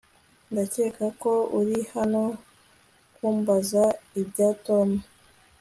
Ndakeka ko uri hano kumbaza ibya Tom